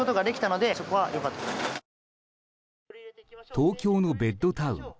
東京のベッドタウン